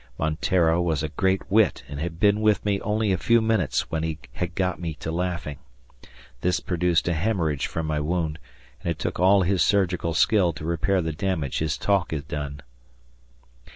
Monteiro was a great wit and had been with me only a few minutes when he got me to laughing. This produced a hemorrhage from my wound, and it took all his surgical skill to repair the damage his talk had done.